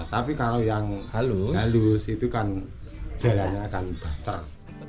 tapi kalau yang halus jaraknya akan keter